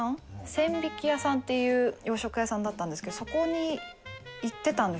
千疋屋さんっていう洋食屋さんだったんですけどそこに行ってたんですよ。